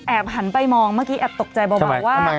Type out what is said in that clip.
หันไปมองเมื่อกี้แอบตกใจเบาว่า